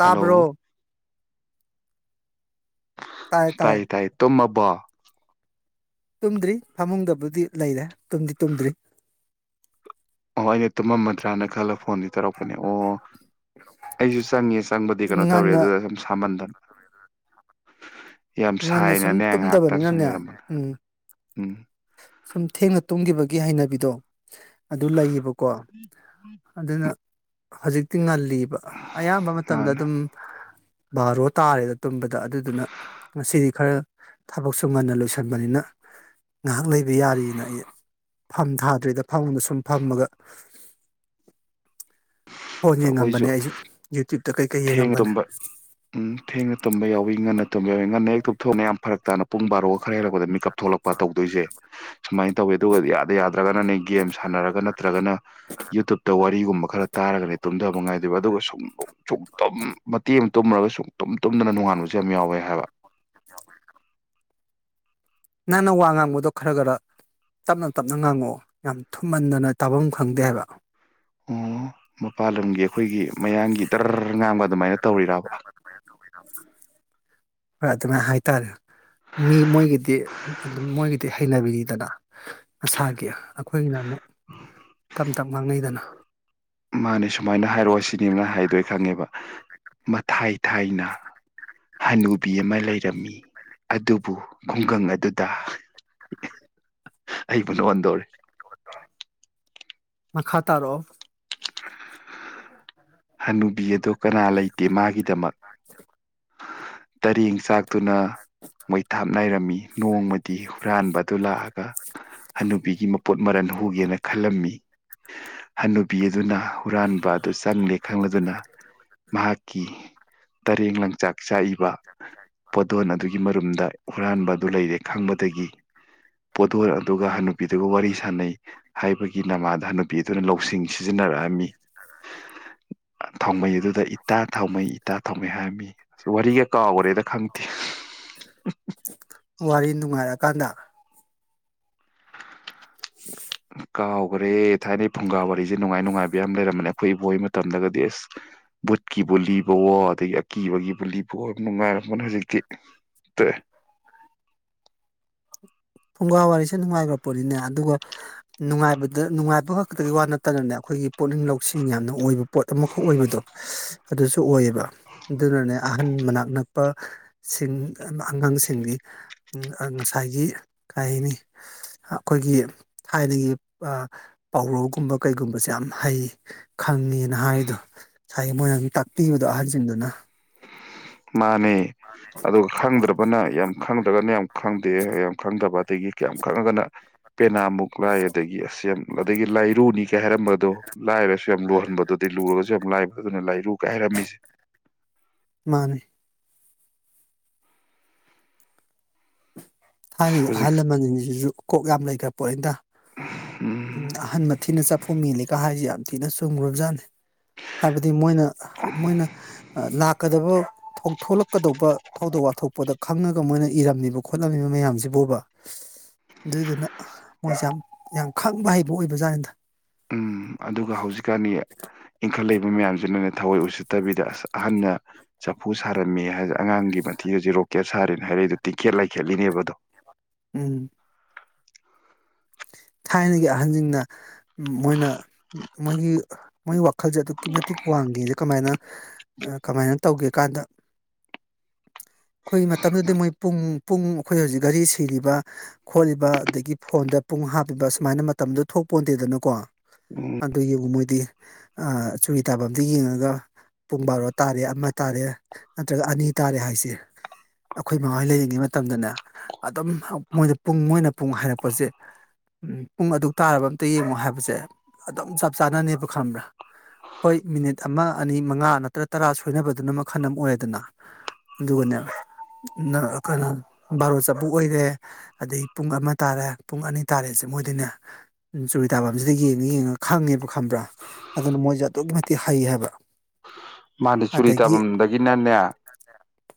hello ꯇꯥꯏ ꯇꯥꯏ ꯇꯨꯃ ꯕꯥ ꯇꯨꯝꯗ꯭ꯔꯤ ꯐꯃꯨꯡꯗꯕꯨꯗꯤ ꯂꯩꯔꯦ ꯇꯨꯝꯗꯤ ꯇꯨꯝꯗ꯭ꯔꯤ ꯑꯣ ꯑꯩꯅ ꯇꯨꯝꯃꯝ ꯃꯟꯗ꯭ꯔꯥꯅ ꯈꯜꯂꯣ ꯐꯣꯟꯗꯤ ꯇꯧꯔꯛꯄꯅꯦ ꯑꯣ ꯑꯩꯁꯨ ꯆꯪꯉꯦ ꯆꯪꯕꯗꯤ ꯀꯩꯅꯣ ꯇꯧꯔꯦ ꯉꯟꯅ ꯑꯗꯨꯗ ꯁꯨꯝ ꯁꯥꯃꯟꯗꯅ ꯌꯥꯝ ꯉꯟꯅ ꯁꯨꯝ ꯁꯥꯏꯅꯅꯦ ꯉꯥꯏꯍꯥꯛꯇꯪ ꯁꯨꯝ ꯇꯨꯝꯗꯕꯅꯤꯅꯅꯦ ꯂꯩꯔꯝꯕꯅꯦ ꯎꯝ ꯎꯝ ꯁꯨꯝ ꯊꯦꯡꯅ ꯇꯨꯝꯈꯤꯕꯒꯤ ꯒꯤ ꯍꯩꯅꯕꯤꯗꯣ ꯑꯗꯨ ꯂꯩꯌꯦꯕꯀꯣ ꯑꯗꯨꯅ ꯍꯧꯖꯤꯛ ꯇꯤꯉꯜꯂꯤ ꯑꯌꯥꯝꯕ ꯃꯇꯝꯗ ꯃꯥꯅꯦ ꯑꯗꯨꯝ ꯕꯥꯔꯣ ꯇꯥꯔꯦꯗ ꯇꯨꯝꯕꯗ ꯑꯗꯨꯗꯨꯅ ꯉꯁꯤꯗꯤ ꯈꯔ ꯊꯕꯛꯁꯨ ꯉꯟꯅ ꯂꯣꯏꯁꯤꯟꯕꯅꯤꯅ ꯉꯥꯏꯍꯥꯛ ꯂꯩꯕ ꯌꯥꯔꯤꯅ ꯑꯩ ꯐꯝ ꯊꯥꯗ꯭ꯔꯤꯗ ꯐꯝꯗ ꯁꯨꯝ ꯐꯝꯃꯒ ꯐꯣꯟ ꯑꯩꯈꯣꯏꯁꯨ ꯌꯦꯡꯉꯝꯕꯅꯦ ꯑꯩꯁꯨ ꯌꯨꯇ꯭ꯌꯨꯨꯞ ꯊꯦꯡꯅ ꯇꯨꯝꯕ ꯎꯝ ꯊꯦꯡꯅ ꯇꯨꯝꯕ ꯌꯥꯎꯏꯤ ꯉꯟꯅ ꯇꯨꯝꯕ ꯌꯥꯎꯏ ꯉꯟꯅ ꯍꯦꯛꯇꯨꯞ ꯊꯣꯛꯅ ꯌꯥꯝ ꯐꯔꯛ ꯇꯥꯅ ꯄꯨꯡ ꯕꯥꯔꯣꯒ ꯈꯔ ꯍꯦꯜꯂꯛꯄꯗ ꯃꯤꯀꯑꯞ ꯊꯣꯛꯂꯛꯄ ꯇꯧꯗꯣꯏꯁꯦ ꯁꯨꯃꯥꯏꯅ ꯇꯧꯋꯤ ꯑꯗꯨꯒꯗꯤ ꯌꯥꯗꯦ ꯌꯥꯗ ꯅꯠꯇ꯭ꯔꯒꯅꯅꯦ ꯒꯦꯝ ꯁꯥꯟꯅꯔꯒ ꯅꯠꯇ꯭ꯔꯒꯅ ꯌꯨꯇꯨꯨꯞꯇ ꯋꯥꯔꯤꯒꯨꯝꯕ ꯈꯔ ꯇꯥꯔꯒꯅꯦ ꯇꯨꯝꯊꯕ ꯉꯥꯏꯗꯣꯏꯕ ꯑꯗꯨꯒ ꯁꯨꯝ ꯇꯨꯝ ꯃꯇꯦꯡ ꯑꯃ ꯇꯨꯝꯃꯨꯔꯒ ꯁ ꯇꯨꯝ ꯇꯨꯝꯗꯅ ꯅꯣꯡꯉꯥꯟꯕꯁꯨ ꯌꯥꯝ ꯌꯥꯎꯋꯦ ꯍꯥꯏꯕ ꯅꯪꯅ ꯋꯥ ꯉꯥꯡꯕꯗꯣ ꯈꯔ ꯈꯔ ꯇꯞꯅ ꯇꯞꯅ ꯉꯥꯡꯉꯛꯑꯣ ꯌꯥꯝ ꯊꯨꯝꯍꯟꯗꯅ ꯇꯥꯐꯝ ꯈꯪꯗꯦ ꯍꯥꯏꯕ ꯑꯣ ꯃꯄꯥꯥꯟ ꯂꯝꯒꯤ ꯑꯩꯈꯣꯏꯒꯤ ꯃꯌꯥꯡꯒꯤ ꯗꯔ ꯉꯥꯝꯕ ꯑꯗꯨꯃꯥꯏꯅ ꯇꯧꯔꯤꯔꯔꯕ ꯔ ꯑꯗꯨꯃꯥꯏꯅ ꯍꯥꯏꯇꯥꯔꯦ ꯃꯤ ꯃꯣꯏꯒꯤꯗꯤ ꯑꯗꯨꯝ ꯃꯣꯏꯒꯤꯗꯤ ꯍꯩꯅꯕꯤꯅꯤꯗꯅ ꯃꯁꯥꯒꯤ ꯑꯩꯈꯣꯏꯒꯤꯅ ꯑꯃꯨꯛ ꯇꯞꯇꯞꯅ ꯉꯥꯡꯅꯩꯗꯅ ꯃꯥꯅꯦ ꯁꯨꯃꯥꯏꯅ ꯍꯥꯏꯔꯛꯑꯣ ꯁꯤꯅꯤꯕꯅ ꯍꯥꯏꯗꯣꯏ ꯈꯪꯉꯦꯕ ꯃꯊꯥꯏ ꯊꯥꯏꯅ ꯍꯅꯨꯕꯤ ꯑꯃ ꯂꯩꯔꯝꯃꯤ ꯑꯗꯨꯕꯨ ꯈꯨꯡꯒꯪ ꯑꯗꯨꯗ ꯑꯩꯕꯨ ꯅ ꯑꯣꯟꯗꯣꯔꯦ ꯃꯈꯥ ꯇꯥꯔꯛꯑꯣ [unintelligible] ꯍꯅꯨꯕꯤ ꯑꯗꯣ ꯀꯅꯥ ꯂꯩꯇꯦ ꯃꯥꯒꯤꯗꯃꯛ [unintelligible] ꯇꯔꯦꯡꯆꯥꯛ ꯇꯨꯅ ꯃꯩꯊꯥꯞꯅꯏꯔꯝꯃꯤ ꯅꯣꯡꯃꯗꯤ ꯍꯨꯔꯥꯟꯕ ꯑꯗꯨ ꯂꯥꯛꯑꯒ ꯍꯟꯅꯨꯕꯤꯒꯤ ꯃꯄꯣꯠ ꯃꯔꯟ ꯍꯨꯒꯦꯅ ꯈꯜꯂꯝꯃꯤ ꯍꯟꯅꯨꯕꯤ ꯑꯗꯨꯅ ꯍꯨꯔꯥꯟꯕ ꯑꯗꯨ ꯆꯪꯂꯦ ꯈꯪꯂꯗꯨꯅ ꯃꯍꯥꯛꯀꯤ ꯇꯔꯦꯡ ꯂ ꯆꯥꯛꯏꯕ ꯄꯣꯠꯊꯣꯟ ꯑꯗꯨꯒꯤ ꯒꯤ ꯃꯔꯨꯝꯗ ꯍꯨꯔꯥꯟꯕ ꯑꯗꯨ ꯂꯩꯔꯦ ꯈꯪꯕꯗꯒꯤ ꯄꯣꯊꯣꯟ ꯑꯗꯨꯒ ꯍꯟꯅꯨꯄꯤꯗꯨꯒ ꯋꯥꯔꯤ ꯁꯥꯟꯅꯩ ꯍꯥꯏꯕꯒꯤ ꯅꯃꯥꯗ ꯍꯟꯅ ꯅꯨꯄꯤ ꯑꯗꯨꯅ ꯂꯧꯁꯤꯡ ꯁꯤꯖꯤꯟꯅꯔꯛꯑꯝꯃꯤ ꯊꯣꯡꯕ ꯑꯗꯨꯗ ꯏꯇꯥ ꯊꯥꯎꯃꯩ ꯏꯇꯥ ꯊꯥꯎꯃꯩ ꯍꯥꯏꯔꯝꯃꯤ ꯋꯥꯔꯤꯒ ꯀꯥ ꯑꯣꯏꯔꯦꯗ ꯈꯪꯊ ꯀꯥꯟꯗ ꯀꯥꯎ ꯍꯣꯔꯦ ꯊꯥꯏꯅꯩ ꯐꯨꯡꯒꯥ ꯋꯥꯔꯤꯁꯦ ꯅꯨꯡꯉꯥꯏ ꯅꯨꯡꯉꯥꯏꯕ ꯌꯥꯝ ꯂꯩꯔꯝꯕꯅꯦ ꯑꯩꯈꯣꯏ ꯏꯕꯣꯏꯒꯤ ꯃꯇꯝꯗꯒꯗꯤ ꯑꯁ ꯕꯨꯠꯀꯤꯕꯨ ꯂꯤꯕꯋꯣ ꯑꯗꯒꯤ ꯑꯀꯤꯕꯒꯤꯕꯨ ꯂꯤꯕꯋꯣ ꯌꯥꯝ ꯅꯨꯡꯉꯥꯏꯔꯝꯕꯅ ꯍꯧꯖꯤꯛꯇꯤ ꯇ ꯐꯨꯡꯒꯥ ꯋꯥꯔꯤꯁꯦ ꯅꯨꯡꯉꯥꯏꯈ꯭ꯔ ꯄꯣꯠꯅꯤꯅꯦ ꯑꯗꯨꯒ ꯅꯨꯡꯉꯥꯏꯕꯗ ꯅꯨꯡꯉꯥꯏꯕ ꯈꯛꯇꯒꯤ ꯋꯥ ꯅꯠꯇꯅꯅꯦ ꯑꯩꯈꯣꯏꯒꯤ ꯄꯨꯣꯛꯅꯤꯡ ꯂꯧꯁꯤꯡ ꯌꯥꯝꯅ ꯑꯣꯏꯕ ꯄꯣꯠ ꯑꯃꯈꯛ ꯑꯣꯏꯕꯗꯣ ꯑꯗꯨꯁꯨ ꯁꯨ ꯑꯣꯏꯌꯦꯕ ꯑꯗꯨꯅꯅꯦ ꯑꯍꯟ ꯃꯅꯥꯛꯅꯛ ꯁꯤꯡ ꯑꯉꯥꯡꯁꯤꯡꯗꯤ ꯉꯁꯥꯏꯒꯤ ꯀꯩꯅꯤ ꯑꯩꯈꯣꯏꯒꯤ ꯊꯥꯏꯅꯒꯤ ꯄꯥꯎꯔꯧꯒꯨꯝꯕ ꯀꯩꯒꯨꯝꯕꯁꯦ ꯌꯥꯝ ꯍꯩ ꯈꯪꯉꯦꯅ ꯍꯥꯏꯔꯤꯗꯣ ꯉꯁꯥꯏꯒꯤ ꯃꯣꯏꯅ ꯑꯗꯨꯝ ꯇꯥꯛꯄꯤꯕꯗꯣ ꯑꯍꯜꯁꯤꯡꯗꯨꯅ [inaudible] ꯑꯗꯨꯒ ꯈꯪꯗ꯭ꯔꯕꯅ ꯌꯥꯝ ꯈꯪꯗ꯭ꯔꯒꯅ ꯌꯥꯝ ꯈꯪꯗꯦ ꯌꯥꯝ ꯈꯪꯗꯕ ꯑꯗꯒꯤ ꯀꯌꯥꯝ ꯈꯪꯉꯒꯅ ꯄꯦꯅꯥꯃꯨꯛ ꯂꯥꯏ ꯑꯗꯒꯤ ꯑꯁꯦꯝ ꯑꯗꯒꯤ ꯂꯥꯏꯔꯨꯅꯤ ꯀꯩ ꯍꯥꯏꯔ ꯗꯣ ꯂꯥꯏꯔꯁꯨ ꯌꯥꯝ ꯂꯨꯍꯟꯕꯗꯨꯗꯤ ꯂꯨꯔꯒꯁꯨ ꯌꯥꯝ ꯂꯥꯏꯕ ꯑꯗꯨꯅ ꯂꯥꯏ ꯨ ꯀꯥꯏꯔꯝꯃꯤꯁꯦ ꯄꯅꯤ ꯊꯥꯏꯅꯒꯤ ꯍꯧꯖꯤꯛ ꯑꯍꯜ ꯂꯃꯟꯁꯤꯡꯁꯤꯁꯨ ꯀꯣꯛ ꯌꯥꯝ ꯂꯩꯈ꯭ꯔꯦ ꯄꯣꯠ ꯑꯅꯗ ꯎꯝ ꯑꯍꯟ ꯃꯊꯤꯅ ꯆꯥꯐꯨ ꯃꯦꯜꯂꯤꯒ ꯍꯥꯏꯁ ꯅꯨꯡꯊꯤꯅ ꯁꯨꯝꯒꯨꯞꯖꯥꯅꯤ ꯍꯥꯏꯕꯗꯤ ꯃꯣꯏꯅ ꯃꯣꯏꯅ ꯂꯥꯛ ꯀꯗꯕ ꯊꯣꯛꯂꯛꯀꯗꯧꯕ ꯊꯧꯗꯣꯛ ꯋꯥꯊꯣꯛꯄꯗ ꯈꯪꯉꯒ ꯃꯣꯏꯅ ꯏꯔꯝꯃꯤꯕ ꯈꯣꯠꯂꯝꯃꯤꯕ ꯃꯌꯥꯝꯁꯤꯕꯨ ꯑꯣꯏꯕ ꯑꯗꯨꯗꯨꯅ ꯃꯣꯏꯁꯦ ꯌꯥꯝ ꯌꯥꯝ ꯈꯪꯕ ꯍꯩꯕ ꯑꯣꯏꯕ ꯖꯥꯠꯗ ꯎꯝ ꯑꯗꯨꯒ ꯍꯧꯖꯤꯛꯀꯥꯟꯅꯤ ꯏꯟꯈꯠꯂꯛ ꯃꯤ ꯃꯌꯥꯝꯁꯤꯅꯅꯦ ꯊꯑꯣꯏ ꯎꯁꯤ ꯅꯠꯇꯕꯤꯗ ꯑꯁ ꯑꯍꯅ ꯆꯐꯨ ꯁꯥꯔꯝꯃꯦ ꯍꯥꯏ ꯑꯉꯥꯡꯒꯤ ꯃꯊꯤ ꯍꯧꯖꯤꯛ ꯔꯣꯀꯦꯠ ꯁꯥꯔꯤꯦꯅꯦ ꯍꯥꯏꯔꯛꯏꯗꯣ ꯇꯤꯡꯀꯦꯠ ꯂꯥꯏꯈꯦꯠꯂꯤꯅꯦꯕ ꯑꯗꯣ ꯎꯝ ꯊꯥꯏꯅꯒꯤ ꯑꯍꯟꯁꯤꯡꯅ ꯃꯣꯏꯅ ꯃꯣꯏꯒꯤ ꯃꯣꯏ ꯈꯜꯁꯦ ꯑꯗꯨꯛꯀꯤ ꯃꯇꯤꯛ ꯋꯥꯡꯉꯦ ꯀꯃꯥꯏꯅ ꯀꯃꯥꯏꯅ ꯇꯧꯒꯦ ꯀꯥꯟꯗ ꯑꯩꯈꯣꯏ ꯃꯇꯝꯗꯨꯗꯤ ꯃꯣꯏ ꯄꯨꯡ ꯄꯨꯡ ꯑꯩꯈꯣꯏ ꯍꯧꯖꯤꯛ ꯘꯔꯤ ꯁꯤꯔꯤꯕ ꯈꯣꯠꯂꯤꯕ ꯑꯗꯒꯤ ꯐꯣꯟꯗ ꯄꯨꯡ ꯍꯥꯞ ꯑꯗꯨꯒ ꯁꯨꯃꯥꯏꯅ ꯃꯇꯝꯗꯣ ꯊꯣꯛꯄꯣꯟꯗꯦꯗꯅꯀꯣ ꯑꯗꯨꯒꯤ ꯎꯣꯏ ꯗꯤ ꯆꯨꯔꯤ ꯇꯥꯐꯝꯗ ꯌꯦꯡꯉꯒ ꯄꯨꯡ ꯕꯥꯔꯣ ꯇꯥꯔꯦ ꯑꯃ ꯇꯥꯔꯦ ꯅꯠꯇ꯭ꯔꯒ ꯑꯅꯤ ꯇꯥꯔꯦ ꯍꯥꯏꯁꯦ ꯑꯩꯈꯣꯏ ꯃꯉꯥ ꯂꯩꯔꯤꯉꯩ ꯃꯇꯝꯗꯅꯦ ꯑꯗꯨꯝ ꯃꯣꯏꯅ ꯄꯨꯡ ꯃꯣꯏꯅ ꯄꯨꯡ ꯍꯥꯏꯔꯛꯄꯁꯦ ꯎꯝ ꯄꯨꯡ ꯑꯗꯨꯛ ꯇꯥꯔꯕ ꯑꯝꯇ ꯌꯦꯡꯉꯣ ꯍꯥꯏꯕꯁꯦ ꯑꯗꯨꯝ ꯆꯞ ꯆꯥꯅꯅꯦꯕ ꯈꯪꯕ꯭ꯔꯥ ꯍꯣꯏ ꯃꯤꯅꯤꯠ ꯑꯃ ꯑꯅꯤ ꯃꯉꯥ ꯅꯠꯇ꯭ꯔ ꯇꯔꯥ ꯁꯣꯏꯅꯕꯗꯨꯅ ꯃꯈꯜ ꯑꯃ ꯑꯣꯏꯌꯦꯗꯅ ꯑꯗꯨꯒꯅꯦ ꯀꯩꯅꯣ ꯕꯥꯔꯣ ꯆꯄꯨ ꯑꯣꯏꯔꯦ ꯑꯗꯩ ꯄꯨꯡ ꯑꯃ ꯇꯥꯔꯦ ꯄꯨꯡ ꯑꯅꯤ ꯇꯥꯔꯦꯁꯦ ꯃꯣꯏꯗꯅꯦ ꯆꯨꯔꯤ ꯇꯥꯐꯝꯁꯤꯗ ꯌꯦꯡꯉ ꯌꯦꯡꯉ ꯈꯪꯉꯦꯕ ꯈꯪꯕ꯭ꯔꯥ ꯑꯗꯨꯅ ꯃꯣꯏꯁꯦ ꯑꯗꯨꯛꯀꯤ ꯃꯇꯤꯛ ꯍꯩ ꯍꯥꯏꯕ ꯃꯥꯗꯤ ꯆꯨꯔꯤ ꯑꯗꯒꯤ ꯇꯥꯐꯝꯗꯒꯤꯅꯅꯦ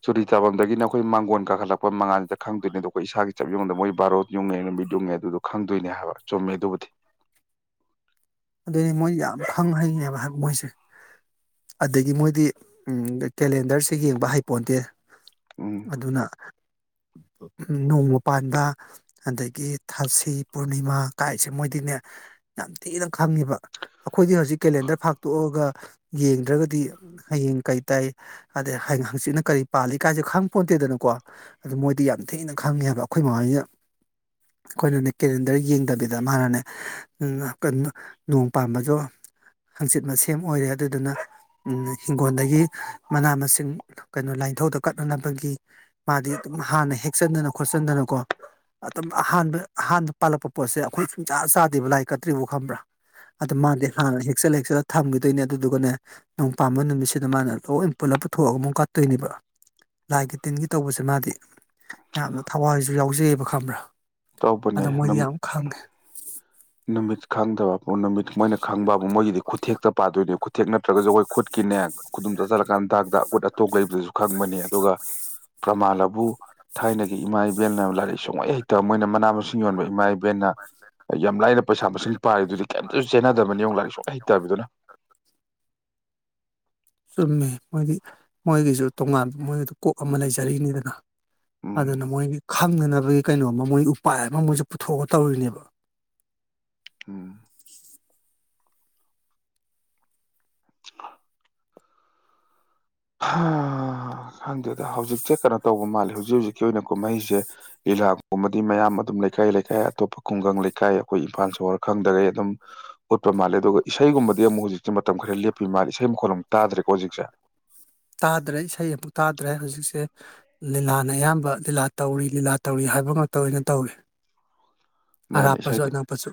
ꯆꯔꯤ ꯆꯥꯐꯝꯗꯒꯤ ꯑꯩꯈꯣꯏ ꯃꯥꯡꯒꯣꯟ ꯀꯥꯈꯠꯂꯛꯄ ꯃꯉꯥꯟꯅꯤꯗ ꯈꯪꯗꯣꯏꯅꯦ ꯑꯗꯣ ꯑꯩꯈꯣꯏ ꯏꯁꯥꯒꯤ ꯆꯞ ꯌꯣꯗ ꯃꯣꯏ ꯕꯥꯔꯣ ꯌꯨꯡꯉꯦ ꯅꯨꯃꯤꯠ ꯌꯨꯡꯉꯦ ꯑꯗꯨꯗꯣ ꯈꯪꯗꯣꯏꯅꯦ ꯍꯥꯏꯕ ꯆꯨꯝꯃꯦ ꯑꯗꯨꯕꯨꯗꯤ ꯑꯗꯨꯅꯤ ꯃꯣꯏ ꯌꯥꯝ ꯍꯪ ꯍꯪꯉꯦꯕ ꯃꯣꯏꯁꯦ ꯑꯗꯒꯤ ꯃꯣꯏꯗꯤ ꯀꯦꯂꯦꯟꯗꯔꯁꯦ ꯌꯦꯡꯕ ꯍꯩꯄꯣꯟꯗꯦ ꯎꯝ ꯑꯗꯨꯅ ꯅꯣꯡꯃ ꯄꯥꯟꯕ ꯑꯗꯒꯤ ꯊꯥꯁꯤ ꯄꯨꯔꯅꯤꯃꯥ ꯀꯥꯏꯁꯦ ꯃꯣꯏꯗꯤꯅꯦ ꯌꯥꯝ ꯊꯤꯅ ꯈꯪꯉꯤꯕ ꯑꯩꯈꯣꯏꯗꯤ ꯍꯧꯖꯤꯛ ꯀꯦꯂꯦꯟꯗꯔ ꯐꯥꯛꯇꯣꯛꯑꯒ ꯌꯦꯡꯗ꯭ꯔꯒꯗꯤ ꯍꯌꯦꯡ ꯀꯩ ꯇꯥꯏ ꯑꯗꯩ ꯍꯪꯆꯤꯠꯅ ꯀꯔꯤ ꯄꯥꯜꯂꯤ ꯀꯥꯏꯁꯦ ꯈꯪ ꯄꯣꯟꯇꯦꯗꯅꯀꯣ ꯑꯗꯨ ꯃꯣꯏꯗꯤ ꯌꯥꯝ ꯊꯤꯅ ꯈꯪꯉꯦꯕ ꯑꯩꯈꯣꯏ ꯃꯃꯥꯅ ꯑꯩꯈꯣꯏꯅꯅꯦ ꯀꯦꯂꯦꯟꯗꯔ ꯌꯦꯡꯗꯕꯤꯗ ꯃꯥꯅꯅꯦ ꯅꯣꯡ ꯄꯥꯟꯕꯝꯕꯗꯣ ꯍꯪꯆꯤꯠ ꯃꯁꯦꯝ ꯑꯣꯏꯔꯦ ꯑꯗꯨꯗꯨꯅ ꯏꯤꯡꯒꯣꯜꯗꯒꯤ ꯃꯅꯥ ꯃꯁꯤꯡ ꯀꯩꯅꯣ ꯂꯥꯏꯊꯧꯗ ꯀꯠꯅꯅꯕꯒꯤ ꯃꯥꯗꯤ ꯑꯗꯨꯝ ꯍꯥꯟꯅ ꯍꯦꯛꯆꯟꯗꯅ ꯈꯣꯠꯆꯟꯗꯅꯀꯣ ꯑꯗꯨꯝ ꯑꯍꯥꯟꯕ ꯑꯍꯥꯟꯕ ꯄꯥꯜꯂꯛꯄ ꯄꯣꯠꯁꯦ ꯑꯩꯈꯣꯏ ꯁꯨꯡꯆꯥ ꯆꯥꯗꯦꯕ ꯂꯥꯏꯔꯤꯛ ꯀꯠꯇ꯭ꯔꯤꯕꯨ ꯈꯪꯕ꯭ꯔꯥ ꯑꯗꯨ ꯃꯥꯗꯤ ꯍꯥꯟꯅ ꯍꯦꯛꯆꯠ ꯍꯦꯛꯆꯜꯂ ꯊꯝꯈꯤꯗꯣꯏꯅꯦ ꯑꯗꯨꯗꯨꯒꯅꯦ ꯅꯣꯡ ꯄꯥꯟꯕꯝꯕ ꯅꯨꯃꯤꯠꯁꯤꯗ ꯃꯥꯅ ꯂꯣꯏ ꯄꯨꯜꯂꯞ ꯄꯨꯊꯣꯛꯑꯒ ꯑꯃꯨꯛ ꯀꯠꯇꯣꯏꯅꯦꯕ ꯂꯥꯏꯒꯤ ꯇꯤꯟꯒꯤ ꯇꯧꯕꯁꯦ ꯃꯥꯗꯤ ꯌꯥꯝꯅ ꯊꯋꯥꯏꯁꯨ ꯌꯥꯎꯖꯩꯑꯕ ꯈꯪꯕ꯭ꯔꯥ ꯇꯧꯕꯅꯦ ꯑꯗ ꯃꯣꯏꯗꯤ ꯑꯗꯨꯝ ꯌꯥꯝ ꯈꯪꯉꯦ ꯅꯃꯁ ꯈꯪꯗꯕ ꯅꯨꯃꯤꯠ ꯃꯣꯏꯅ ꯈꯪꯕꯕꯨ ꯃꯣꯏꯒꯤꯗꯤ ꯈꯨꯊꯦꯛꯇ ꯄꯥꯗꯣꯏꯅꯦ ꯈꯨꯊꯦꯛ ꯅꯠꯇ꯭ꯔꯒꯁꯨ ꯑꯩꯈꯣꯏ ꯈꯨꯠꯀꯤꯅꯦ ꯈꯨꯗꯨꯝ ꯆꯥꯁꯤꯜꯂꯀꯥꯟ ꯊꯥꯛꯇ ꯎꯠ ꯑꯇꯣꯛ ꯂꯩꯕꯗꯨꯁꯨ ꯈꯪꯕꯅꯦ ꯑꯗꯨꯒ ꯄ꯭ꯔꯃꯥꯜꯂꯕꯨ ꯊꯥꯏꯅꯒꯤ ꯏꯃꯥ ꯏꯕꯦꯜꯅ ꯂꯥꯏꯔꯤꯛ ꯁꯨꯡꯍꯩ ꯍꯩꯛꯇ ꯃꯣꯏꯅ ꯃꯅꯥ ꯃꯁꯤꯡ ꯌꯣꯟꯕ ꯏꯃꯥ ꯏꯕꯦꯜꯅ ꯌꯥꯝ ꯂꯥꯏꯅ ꯄꯩꯁꯥ ꯃꯁꯤꯡ ꯄꯥꯏ ꯍꯩꯇꯕꯤꯗꯨꯅ ꯁꯃꯃꯦ ꯃꯣꯏꯒꯤ ꯃꯣꯏꯒꯤꯁꯨ ꯇꯣꯉꯥꯟꯕ ꯃꯣꯏꯗ ꯀꯣꯛ ꯑꯃ ꯂꯩꯖꯔꯤꯅꯤꯗꯅ ꯑꯗꯨꯗ ꯅ ꯎꯝ ꯃꯣꯏꯒꯤ ꯈꯪꯅꯅꯕꯒꯤ ꯀꯩꯅꯣꯝꯃ ꯃꯣꯏ ꯎꯄꯥꯏ ꯑꯃ ꯃꯣꯏꯁꯨ ꯄꯨꯊꯣꯛꯑ ꯇꯧꯔꯤꯅꯦꯕ ꯎ ꯑ ꯈꯪꯗꯦꯗ ꯍꯧꯖꯤꯛꯁꯦ ꯀꯩꯅꯣ ꯇꯧꯕ ꯃꯥꯜꯂꯦ ꯍꯧꯖꯤꯛ ꯍꯧꯖꯤꯛꯀꯤ ꯑꯣꯏꯅ ꯀꯨꯝꯍꯩꯁꯦ ꯂꯤꯂꯥꯀꯨꯝꯕꯗꯤ ꯃꯌꯥꯝ ꯑꯗꯨꯝ ꯂꯩꯀꯥꯏ ꯂꯩꯀꯥꯏ ꯑꯇꯣꯞꯄ ꯈꯨꯡꯒꯪ ꯂꯩꯀꯥꯏ ꯑꯩꯈꯣꯏ ꯏꯝꯐꯥꯜ ꯁꯣꯍꯣꯔ ꯈꯪꯗꯒꯩ ꯑꯗꯨꯝ ꯎꯠꯄ ꯃꯥꯜꯂꯦ ꯑꯗꯨꯒ ꯏꯁꯩꯒꯨꯝꯕꯗꯤ ꯑꯃꯨꯛ ꯍꯧꯖꯤꯛꯁꯦ ꯃꯇꯝ ꯈꯔ ꯂꯦꯞꯄꯤ ꯃꯥꯜꯂꯦ ꯏꯁꯩ ꯃꯈꯣꯜ ꯑꯃꯨꯛ ꯇꯥꯗ꯭ꯔꯦꯀꯣ ꯍꯧꯖꯤꯛꯁꯦ ꯇꯥꯗ꯭ꯔꯦ ꯏꯁꯩ ꯑꯃꯨꯛ ꯇꯥꯗ꯭ꯔꯦ ꯍꯧꯖꯤꯛꯁꯦ ꯂꯤꯂꯥꯅ ꯑꯌꯥꯝꯕ ꯂꯤꯂꯥ ꯇꯧꯔꯤ ꯂꯤꯂꯥ ꯇꯧꯔꯤ ꯍꯥꯏꯕ ꯉꯇ ꯑꯣꯏꯅ ꯇꯧꯏ ꯑꯔꯥꯞꯄꯁꯨ ꯑꯅꯛꯞꯄꯁꯨ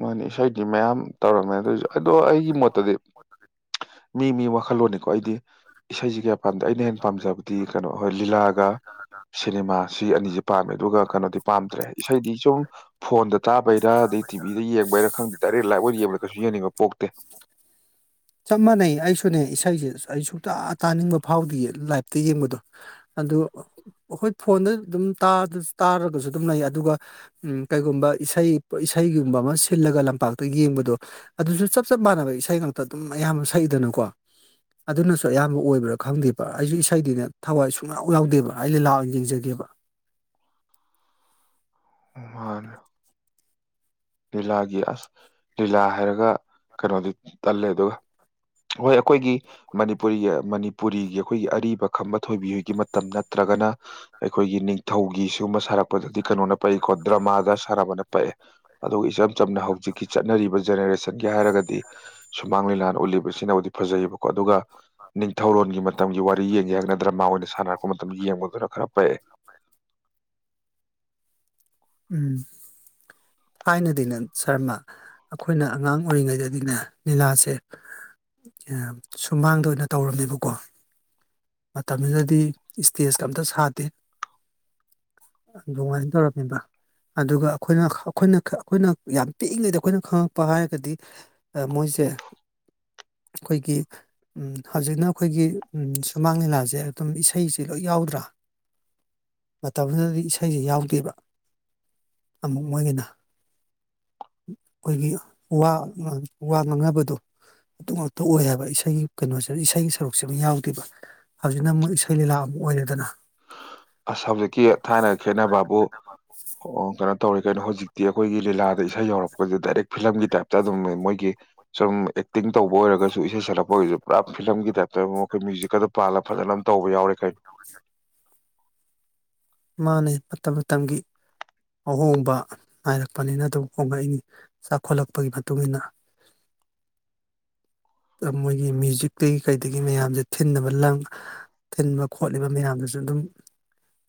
ꯃꯥꯅꯤ ꯏꯁꯩꯗꯤ ꯃꯌꯥꯝ ꯇꯧꯔꯝꯃꯦ ꯑꯗꯨꯏꯁꯨ ꯑꯗꯣ ꯑꯩꯒꯤ ꯃꯣꯠꯇꯗꯤ ꯃꯤ ꯃꯤ ꯋꯥꯈꯜꯂꯣꯟꯅꯤꯀꯣ ꯑꯩꯗꯤ ꯏꯁꯩꯁꯦ ꯀꯌꯥ ꯄꯥꯝꯖ ꯑꯩꯅ ꯍꯦꯟꯅ ꯄꯥꯝꯖꯕꯗꯤ ꯀꯩꯅꯣ ꯍꯣꯏ ꯂꯤꯂꯥꯒ ꯁꯤꯅꯦꯃꯥ ꯁꯤ ꯑꯅꯤꯁꯦ ꯄꯥꯝꯃꯦ ꯑꯗꯨꯒ ꯀꯩꯅꯣꯗꯤ ꯄꯥꯝꯗ꯭ꯔꯦ ꯏꯁꯩꯗꯤ ꯁꯨꯝ ꯐꯣꯟꯗ ꯇꯥꯕ ꯄꯕꯔ ꯇꯤꯕꯤꯤꯗ ꯌꯦꯡꯕ ꯍꯥꯏꯔ ꯈꯪꯗꯦ ꯀꯩ ꯂꯥꯏꯕ ꯑꯣꯏꯅ ꯌꯦꯡꯕꯗ ꯀꯩꯁꯨ ꯌꯦꯡꯅꯤꯡꯕ ꯄꯣꯛꯇꯦ ꯆꯞ ꯃꯥꯟꯅꯩ ꯑꯩꯁꯨꯅꯦ ꯏꯁꯩꯁꯦ ꯑꯩ ꯁꯨꯡꯛꯇ ꯇꯥꯅꯤꯡꯕ ꯐꯥꯎꯗꯤ ꯂꯥꯏꯞꯇ ꯌꯦꯡꯕꯗꯣ ꯑꯗꯨ ꯑꯩꯈꯣꯏ ꯐꯣꯟꯗ ꯑꯗꯨꯝ ꯇꯥꯔꯒꯁꯨ ꯑꯗꯨꯝ ꯂꯩ ꯑꯗꯨꯒ ꯀꯩꯒꯨꯝꯕ ꯏꯁꯩ ꯏꯁꯩꯒꯨꯝꯕ ꯑꯃ ꯁꯤꯜꯂꯒ ꯂꯝꯄꯥꯛꯇ ꯌꯦꯡꯕꯗꯣ ꯑꯗꯨꯁꯨ ꯆꯞ ꯆꯞ ꯃꯥꯟꯅꯕ ꯏꯁꯩ ꯉꯥꯛꯇ ꯑꯗꯨꯝ ꯑꯌꯥꯝꯕ ꯁꯛꯏꯗꯅꯀꯣ ꯑꯗꯨꯅꯁꯨ ꯑꯌꯥꯝꯕ ꯑꯣꯏꯕ꯭ꯔꯥ ꯈꯪꯗꯦꯕ ꯑꯩꯁꯨ ꯏꯁꯩꯗꯤꯅꯦ ꯊꯋꯥꯏ ꯁꯨꯡꯂꯎ ꯌꯥꯎꯗꯦꯕ ꯑꯩꯅ ꯂꯥꯛ ꯌꯦꯡꯖꯒꯦꯕ ꯃꯥꯅꯦ ꯂꯤꯂꯥꯒꯤ ꯑꯁ ꯂꯤꯂꯥ ꯍꯥꯏꯔꯒ ꯀꯩꯅꯣꯗꯤ ꯇꯜꯂꯦ ꯑꯗꯨꯒ ꯍꯣꯏ ꯑꯩꯈꯣꯏꯒꯤ ꯃꯅꯤꯄꯨꯔꯤꯒꯤ ꯃꯅꯤꯄꯨꯔꯤꯒꯤ ꯑꯩꯈꯣꯏꯒꯤ ꯑꯔꯤꯕ ꯈꯝꯕ ꯊꯣꯏꯕꯤꯒꯤ ꯃꯇꯝ ꯅꯠꯇ꯭ꯔꯒꯅ ꯑꯩꯈꯣꯏꯒꯤ ꯅꯤꯡꯊꯧꯒꯤ ꯁꯤꯒꯨꯝꯕ ꯁꯥꯔꯛꯄꯗꯗꯤ ꯀꯩꯅꯣꯅꯦ ꯄꯩ ꯀꯣꯗ꯭ꯔ ꯃꯥꯒ ꯁꯔꯥ ꯃꯅꯦ ꯄꯩ ꯑꯗꯨꯒ ꯏꯆꯝ ꯆꯝꯅ ꯍꯧꯖꯤꯛꯀꯤ ꯆꯠꯅꯔꯤꯕ ꯖꯦꯅꯦꯔꯦꯁꯟꯒꯤ ꯍꯥꯏꯔꯒꯗꯤ ꯁꯨꯃꯥꯡ ꯂꯤꯂꯥꯅ ꯎꯠꯂꯤꯕꯁꯤꯅꯕꯨꯗꯤ ꯐꯖꯩꯑꯕꯀꯣ ꯑꯗꯨꯒ ꯅꯤꯡꯊꯧꯔꯣꯟꯒꯤ ꯃꯇꯝꯒꯤ ꯋꯥꯔꯤ ꯌꯦꯡꯒꯦ ꯍꯥꯏꯅ ꯗ꯭ꯔꯃꯥ ꯑꯣꯏꯅ ꯁꯥꯟꯅꯔꯛꯄ ꯃꯇꯝ ꯌꯦꯡꯕꯗꯨꯅ ꯈꯔ ꯄꯛꯑꯦ ꯎꯝ ꯊꯥꯏꯅꯗꯤꯅꯦ ꯁꯔꯃ ꯑꯩꯈꯣꯏꯅ ꯑꯉꯥꯡ ꯑꯣꯏꯔꯤꯉꯩꯗꯗꯤꯅꯦ ꯂꯤꯂꯥꯁꯦ ꯁꯨꯃꯥꯡꯗ ꯑꯣꯏꯅ ꯇꯧꯔꯝꯃꯦꯕꯀꯣ ꯃꯇꯝꯗꯨꯗꯗꯤ ꯏꯁꯇꯦꯖꯀ ꯑꯝꯇ ꯁꯥꯗꯦ ꯑꯗꯨꯃꯥꯏꯅ ꯇꯧꯔꯝꯃꯦꯕ ꯑꯗꯨꯒ ꯑꯩꯈꯣꯏꯅ ꯑꯩꯈꯣꯏꯅ ꯑꯩꯈꯣꯏꯅ ꯌꯥꯝ ꯄꯤꯛꯏꯉꯩꯗ ꯑꯩꯈꯣꯏꯅ ꯈꯪꯉꯛꯄ ꯍꯥꯏꯔꯒꯗꯤ ꯃꯣꯏꯁꯦ ꯑꯩꯈꯣꯏꯒꯤ ꯍꯧꯖꯤꯛꯅ ꯑꯩꯈꯣꯏꯒꯤ ꯁꯨꯃꯥꯡ ꯂꯤꯂꯥꯁꯦ ꯑꯗꯨꯝ ꯏꯁꯩꯁꯦ ꯂꯣꯏ ꯌꯥꯎꯗ꯭ꯔꯥ ꯃꯇꯝꯗꯨꯗꯗꯤ ꯏꯁꯩꯁꯦ ꯌꯥꯎꯗꯦꯕ ꯑꯃꯨꯛ ꯃꯣꯏꯒꯤꯅ ꯑꯩꯈꯣꯏꯒꯤ ꯋꯥ ꯋꯥ ꯉꯥꯡꯅꯕꯗꯣ ꯑꯗꯨ ꯉꯥꯛꯇ ꯑꯣꯏ ꯍꯥꯏꯕ ꯏꯁꯩꯒꯤ ꯀꯩꯅꯣꯁꯤꯗ ꯏꯁꯩꯒꯤ ꯁꯔꯨꯛꯁꯤꯃ ꯌꯥꯎꯗꯦꯕ ꯍꯧꯖꯤꯛꯅ ꯑꯃꯨꯛ ꯏꯁꯩ ꯂꯤꯂꯥ ꯑꯃꯨꯛ ꯑꯣꯏꯔꯦꯗꯅ ꯑꯁꯥꯝꯖꯤꯛꯀꯤ ꯊꯥꯏꯅꯒ ꯈꯦꯠꯅꯕꯅꯕꯕꯥꯕꯨ ꯑꯣ ꯀꯩꯅꯣ ꯇꯧꯔꯦ ꯀꯩꯅꯣ ꯍꯧꯖꯤꯛꯇꯤ ꯑꯩꯈꯣꯏꯒꯤ ꯂꯤꯂꯥꯗ ꯏꯁꯩ ꯌꯧꯔꯛꯄꯁꯦ ꯗꯥꯏꯔꯦꯛ ꯐꯤꯂꯝꯒꯤ ꯇꯥꯏꯞꯇ ꯑꯗꯨꯝ ꯃꯣꯏꯒꯤ ꯁꯨꯝ ꯑꯦꯛꯇꯤꯡ ꯇꯧꯕ ꯑꯣꯏꯔꯒꯁꯨ ꯏꯁꯩ ꯁꯛꯂꯛꯄ ꯑꯣꯏꯔꯁꯨ ꯄꯨꯔꯥ ꯐꯤꯂꯝꯒꯤ ꯇꯥꯏꯞꯇ ꯑꯩꯈꯣꯏ ꯃ꯭ꯌꯨꯖꯤꯛꯀ ꯑꯗꯨ ꯄꯥꯜꯂꯒ ꯐꯖꯅ ꯑꯗꯨꯝ ꯇꯧꯕ ꯌꯥꯎꯔꯦ ꯀꯩꯅꯣ ꯃꯥꯥꯅꯦ ꯃꯇꯝ ꯃꯇꯝꯒꯤ ꯑꯍꯣꯡꯕ ꯅꯥꯏꯔꯛꯄꯅꯤꯅ ꯑꯗꯨꯝ ꯍꯣꯡꯂꯛꯏꯅꯤ ꯆꯥꯎꯈꯠꯂꯛꯄꯒꯤ ꯃꯇꯨꯡꯏꯟꯅ ꯃꯣꯏꯒꯤ ꯃ꯭ꯌꯨꯖꯤꯛꯇꯒꯤ ꯀꯩꯗꯒꯤ ꯃꯌꯥꯝꯁꯦ ꯊꯤꯟꯕ ꯂꯥꯡ ꯊꯤꯟꯕ ꯈꯣꯠꯂꯤꯕ ꯃꯌꯥꯝꯗꯨꯁꯨ ꯑꯗꯨꯝ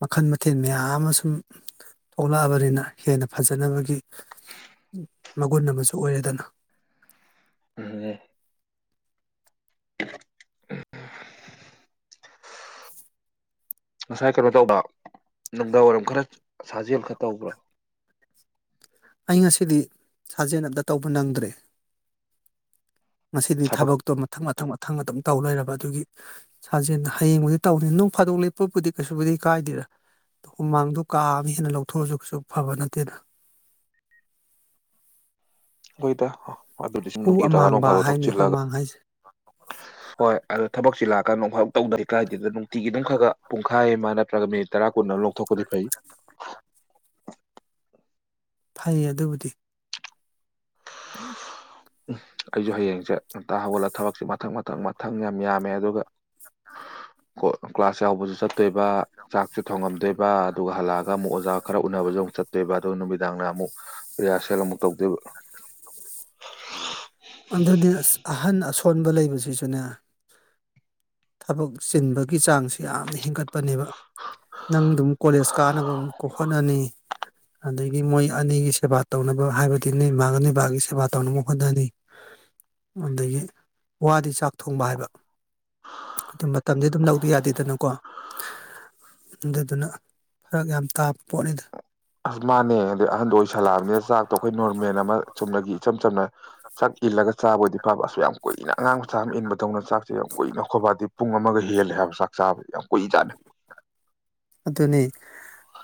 ꯃꯈꯜ ꯃꯊꯦꯜ ꯃꯌꯥꯝ ꯑꯃ ꯁꯨꯝ ꯊꯣꯛꯂꯛꯑꯕꯅꯤꯅ ꯍꯦꯟꯅ ꯐꯖꯅꯕꯒꯤ ꯃꯒꯨꯟ ꯑꯃꯁꯨ ꯑꯣꯏꯔꯦꯗꯅ ꯎꯝ ꯉꯁꯥꯏ ꯀꯩꯅꯣ ꯇꯧꯕ ꯅꯨꯡꯗꯥꯡ ꯋꯥꯏꯔꯝ ꯈꯔ ꯁꯥꯖꯦꯜ ꯈ ꯇꯧꯕ꯭ꯔꯥ ꯑꯩ ꯉꯁꯤꯗꯤ ꯁꯥꯖꯦꯟ ꯑ ꯑꯃꯇ ꯇꯧꯕ ꯅꯪꯗ꯭ꯔꯦ ꯉꯁꯤꯗꯤ ꯊꯕꯛ ꯊꯕꯛꯇꯣ ꯃꯊꯪ ꯃꯊꯪ ꯃꯊꯪ ꯑꯗꯨꯝ ꯇꯧ ꯂꯩꯔꯕ ꯑꯗꯨꯒꯤ ꯁꯥꯖꯦꯜꯗ ꯍꯌꯦꯡꯕꯨꯗꯤ ꯇꯧꯅꯤ ꯅꯣꯡ ꯐꯥꯗꯣꯛ ꯂꯦꯞꯄꯕꯨꯗꯤ ꯀꯩꯁꯨꯕꯨꯗꯤ ꯀꯥꯏꯗꯦꯗ ꯍꯨꯃꯥꯡꯗꯣ ꯀꯥ ꯑꯃ ꯍꯦꯟꯅ ꯂꯧꯊꯣꯛꯑꯁꯨ ꯀꯩꯁꯨ ꯐꯕ ꯅꯠꯇꯦꯅ ꯍꯣꯏꯗ ꯑꯗꯨ ꯂꯤꯁꯤꯡ ꯍꯨ ꯅꯨꯡꯒꯤ ꯇꯔꯥ ꯅꯣꯡ ꯑꯃꯥꯡꯕ ꯐꯥꯗꯣꯛ ꯍꯥꯏꯅꯤ ꯊꯣꯛꯆꯤꯜꯂꯒ ꯍꯨꯃꯥꯡ ꯍꯥꯏꯁꯦ ꯍꯣꯏ ꯑꯗꯣ ꯊꯕꯛꯁꯤ ꯂꯥꯛꯑꯀꯗ ꯅꯣꯡ ꯐꯥꯗꯣꯛ ꯇꯧꯗ ꯀꯥꯏꯗꯦꯗ ꯅꯨꯡꯇꯤꯒꯤ ꯑꯗꯨꯝ ꯈꯒ ꯄꯨꯡꯈꯥꯏ ꯑꯃ ꯅꯠꯇ꯭ꯔꯒ ꯃꯤꯅꯤꯠ ꯇꯔꯥ ꯀꯨꯟ ꯇꯧꯔ ꯂꯧꯊꯣꯛꯄꯗꯤ ꯐꯩ ꯐꯩ ꯑꯗꯨꯕꯨꯗꯤ ꯎꯝ ꯎ ꯑꯩꯁꯨ ꯍꯌꯦꯡꯁꯦ ꯉꯟꯇꯥ ꯍꯧꯒꯠꯂꯒ ꯊꯕꯛꯁꯦ ꯃꯊꯪ ꯃꯊꯪ ꯃꯊꯪ ꯌꯥꯝ ꯌꯥꯝꯃꯦ ꯑꯗꯨꯒ ꯑ ꯀ꯭ꯂꯥꯁ ꯌꯥꯎꯕꯁꯨ ꯆꯠ ꯆꯠꯇꯣꯏꯕ ꯆꯥꯛꯁꯨ ꯊꯣꯡꯉꯝꯗꯣꯏꯕ ꯑꯗꯨꯒ ꯍꯜꯂꯛꯑꯒ ꯑꯃꯨꯛ ꯑꯣꯖꯥ ꯈꯔ ꯎꯅꯕꯁꯨ ꯑꯃꯨꯛ ꯆꯠꯇꯣꯏꯕ ꯑꯗꯨ ꯅꯨꯃꯤꯗꯥꯡꯗ ꯑꯃꯨꯛ ꯔꯤꯍꯔꯁꯦꯜ ꯑꯃꯨꯛ ꯇꯧꯗꯣꯏꯕ ꯀꯣꯟꯕ ꯂꯩꯕꯁꯤꯁꯨꯅꯦ ꯊꯕꯛ ꯆꯤꯟꯕꯒꯤ ꯆꯥꯡꯁꯤ ꯌꯥꯝꯅ ꯍꯦꯟꯒꯠꯄꯅꯦꯕ [inaudible] ꯅꯪ ꯑꯗꯨꯝ ꯀꯣꯂꯦꯖ ꯀꯥꯅꯕ ꯑꯃꯨꯛ ꯍꯣꯠꯅꯅꯤ ꯑꯗꯒꯤ ꯃꯣꯏ ꯑꯅꯤꯒꯤ ꯁꯦꯕꯥ ꯇꯧꯅꯕ ꯍꯥꯏꯕꯗꯤ ꯅꯣꯏ ꯏꯃꯥꯒ ꯅꯣꯏ ꯕꯕꯥꯒꯤ ꯁꯦꯕꯥ ꯇꯧꯅꯕ ꯍꯣꯠꯅꯅꯤ ꯑꯗꯒꯤ ꯋꯥꯗꯤ ꯆꯥꯛ ꯊꯣꯡꯕ ꯍꯥꯏꯕ ꯑꯗꯨꯝ ꯃꯇꯝꯗꯤ ꯑꯗꯨꯝ ꯂꯧꯗ ꯌꯥꯗꯦꯗꯅꯀꯣ ꯑꯗꯨꯗꯨꯅ ꯐꯔꯛ ꯌꯥꯝ ꯇꯥꯕ ꯄꯣꯠꯅꯤꯗ ꯑꯁ ꯃꯥꯅꯦ ꯑꯗꯩ ꯑꯍꯟꯗ ꯑꯣꯏ ꯁꯜꯂꯛꯑꯕꯅꯤꯅ ꯆꯥꯛꯇꯣ ꯑꯩꯈꯣꯏ ꯅꯣꯔꯃꯦꯜ ꯑꯃ ꯆꯨꯝꯅꯗꯒꯤ ꯏꯆꯝ ꯆꯝꯅ ꯆꯥꯛ ꯏꯜꯂꯒ ꯆꯥꯕꯕꯨꯗꯤ ꯐꯥꯕ ꯑꯁ ꯌꯥꯝ ꯀꯨꯏꯅ ꯑꯉꯥꯡ ꯃꯆꯥ ꯑꯃ ꯏꯟꯕꯗꯧꯅ ꯆꯥꯛꯁꯦ ꯌꯥꯝ ꯀꯨꯏꯅ ꯈꯣ ꯗꯤ ꯄꯨꯡ ꯑꯃꯒ ꯍꯦꯜꯂꯦ ꯍꯥꯏꯕ ꯆꯥꯛ ꯆꯥꯕꯗ ꯌꯥꯝ ꯀꯨꯏ ꯖꯥꯠꯅꯤ ꯑꯗꯨꯅꯤ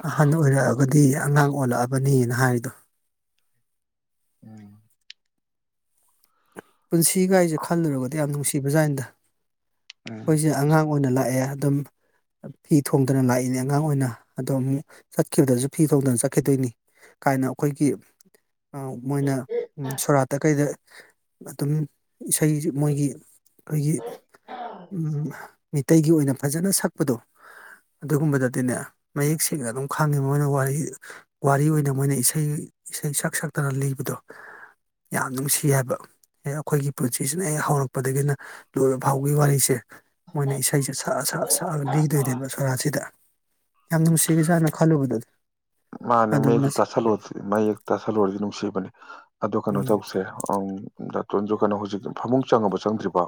ꯑꯍꯟ ꯑꯣꯏꯔꯛꯑꯒꯗꯤ ꯑꯉꯥꯡ ꯑꯣꯜꯂꯛꯑꯕꯅꯤꯅ ꯍꯥꯏꯔꯤꯗꯣ ꯎꯝ ꯄꯨꯟꯁꯤ ꯒꯥꯏꯖꯦ ꯈꯜꯂꯨꯔꯕꯨꯗꯤ ꯌꯥꯝ ꯅꯨꯡꯁꯤ ꯀ ꯕ ꯖꯥꯠꯅꯤꯗ ꯎꯝ ꯑꯩꯈꯣꯏꯁꯦ ꯑꯉꯥꯡ ꯑꯣꯏꯅ ꯂꯥꯛꯑꯦ ꯑꯗꯨꯝ ꯐꯤ ꯊꯣꯡꯗꯅ ꯂꯥꯛꯏꯅꯤ ꯑꯉꯥꯡ ꯑꯣꯏꯅ ꯑꯗꯣ ꯑꯃꯨꯛ ꯆꯠꯈꯤꯕꯗꯁꯨ ꯐꯤ ꯊꯣꯡꯗꯅ ꯆꯠꯈꯤꯗꯣꯏꯅꯤ ꯀꯥꯏꯅ ꯑꯩꯈꯣꯏꯒꯤ ꯃꯣꯏꯅ ꯁꯣꯔꯥꯠꯇ ꯀꯩꯗ ꯑꯗꯨꯝ ꯏꯁꯩ ꯃꯣꯏꯒꯤ ꯑꯩꯈꯣꯏꯒꯤ ꯃꯤꯇꯩꯒꯤ ꯑꯣꯏꯅ ꯐꯖꯅ ꯁꯛꯄꯗꯣ ꯑꯗꯨꯒꯨꯝꯕꯗꯗꯤꯅꯦ ꯃꯌꯦꯛ ꯁꯦꯡꯅ ꯑꯗꯨꯝ ꯈꯪꯉꯤ ꯃꯣꯏꯅ ꯋꯥꯔꯤ ꯋꯥꯔꯤ ꯑꯣꯏꯅ ꯃꯣꯏꯅ ꯏꯁꯩ ꯏꯁꯩ ꯁꯛ ꯁꯛꯇꯅ ꯂꯤꯕꯗꯣ ꯌꯥꯝ ꯅꯨꯡꯁꯤ ꯍꯥꯏꯕ ꯍꯦꯛ ꯑꯩꯈꯣꯏꯒꯤ ꯄꯨꯟꯁꯤꯁꯤꯅ ꯍꯦꯛ ꯍꯧꯔꯛꯄꯗꯒꯤꯅ ꯂꯣꯏꯔꯕ ꯐꯥꯎꯕꯒꯤ ꯋꯥꯔꯤꯁꯦ ꯃꯣꯏꯅ ꯏꯁꯩꯁꯦ ꯁꯛꯑ ꯁꯛꯑ ꯁꯛꯑꯒ ꯂꯤꯗꯣꯏꯅꯦꯕ ꯁꯣꯔꯥꯠꯁꯤꯗ ꯌꯥꯝ ꯅꯨꯡꯁꯤꯒ꯭ꯔꯖꯥꯠꯅ ꯈꯜꯂꯨꯕꯗꯗꯤ ꯃꯥꯅꯦ ꯑꯗꯨ ꯃꯌꯦꯛꯇꯣ ꯇꯥꯁꯤꯜꯂꯨꯔꯗꯤ ꯃꯌꯦꯛꯇꯣ ꯇꯥꯁꯤꯜꯂꯨꯔꯗꯤ ꯅꯨꯡꯁꯤꯕꯅꯦ ꯑꯗꯣ ꯀꯩꯅꯣ ꯎꯝ ꯇꯧꯁꯦ ꯑ ꯇꯣꯟꯁꯨ ꯀꯩꯅꯣ ꯍꯧꯖꯤꯛ ꯐꯃꯨꯡ ꯆꯪꯉꯕꯣ ꯆꯪꯗ꯭ꯔꯤꯕ